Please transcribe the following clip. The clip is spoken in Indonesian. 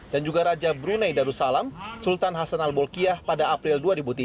dan juga raja brunei darussalam sultan hasan al bolkiah pada april dua ribu tiga